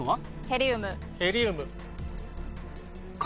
ヘリウム。